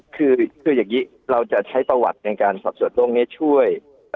คืออย่างนี้เราจะใช้ประวัติในการสอบส่วนโรคนี้ช่วย